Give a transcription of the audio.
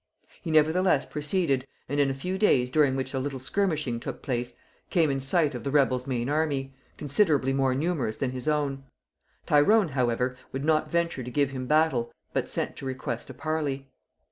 He nevertheless proceeded, and in a few days during which a little skirmishing took place, came in sight of the rebel's main army, considerably more numerous than his own; Tyrone however would not venture to give him battle, but sent to request a parley.